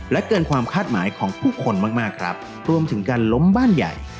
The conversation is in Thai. เกินความคาดหมายของผู้คนมากมากครับรวมถึงการล้มบ้านใหญ่